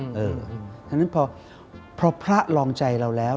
เพราะฉะนั้นพอพระลองใจเราแล้ว